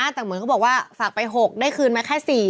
แต่เหมือนเขาบอกว่าฝากไป๖ได้คืนมาแค่๔